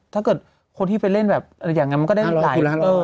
ถ้าเกิดคนที่ไปเล่นแบบอย่างนั้นมันก็ได้หลายล้าน